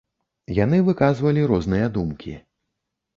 Яны выказвалі розныя думкі.